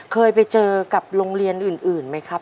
เคยไปเจอกับโรงเรียนอื่นไหมครับ